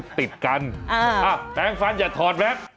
แปลงฟันติดกันแปลงฟันอย่าถอดแมส